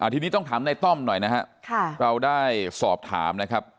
ทีนี้ต้องถามในต้อมหน่อยนะครับเราได้สอบถามนะครับ